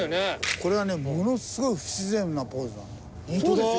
これはねものすごい不自然なポーズなんだよ。